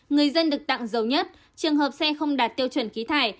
người dân được tặng dầu nhất trường hợp xe không đạt tiêu chuẩn khí thải